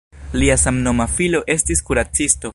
Lia samnoma filo estis kuracisto.